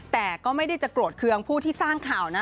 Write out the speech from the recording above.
แต่ก็ไม่ได้จะโกรธเคืองผู้ที่สร้างข่าวนะ